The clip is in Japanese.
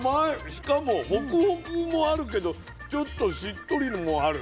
しかもホクホクもあるけどちょっとしっとりもある。